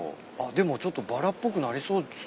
でもちょっとバラっぽくなりそうですね。